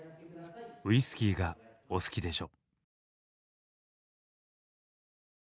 「ウイスキーが、お好きでしょ」。